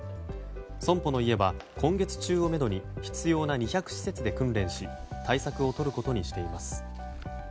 そんぽの家は今月中をめどに必要な２００施設で訓練し対策をとることにしています。